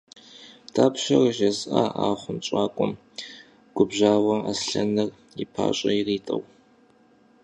– Дапщэрэ жесӀа а хъунщӀакӀуэм, – губжьащ Аслъэныр, и пащӀэр иритӀэурэ.